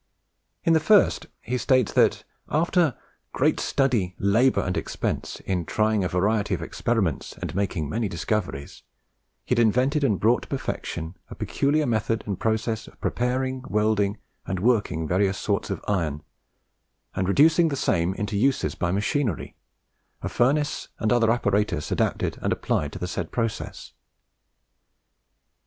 In the first he states that, after "great study, labour, and expense, in trying a variety of experiments, and making many discoveries, he had invented and brought to perfection a peculiar method and process of preparing, welding, and working various sorts of iron, and of reducing the same into uses by machinery: a furnace, and other apparatus, adapted and applied to the said process."